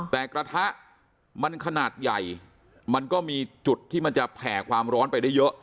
แต่กระทะมันขนาดใหญ่มันก็มีจุดที่มันจะแผ่ความร้อนไปได้เยอะ